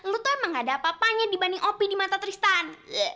lu tuh emang gak ada apa apanya dibanding opi di mata tristan